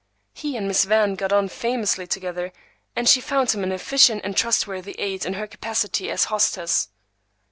He and Miss Van got on famously together, and she found him an efficient and trustworthy aid in her capacity as hostess.